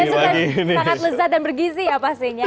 sangat lezat dan bergizi ya pastinya